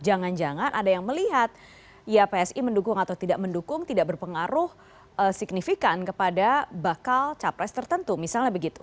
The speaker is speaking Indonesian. jangan jangan ada yang melihat ya psi mendukung atau tidak mendukung tidak berpengaruh signifikan kepada bakal capres tertentu misalnya begitu